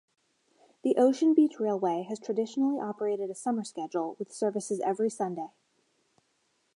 The Ocean Beach Railway has traditionally operated a summer schedule with services every Sunday.